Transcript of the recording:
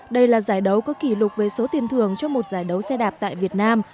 đây là giải đấu có kỷ lục về số tiền thường cho một giải đấu xe đạp tại việt nam